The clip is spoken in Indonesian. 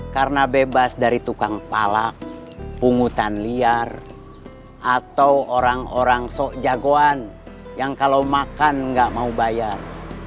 karena bebas dari tukang palak pungutan liar atau orang orang sok jagoan yang kalau makan gak mau bayar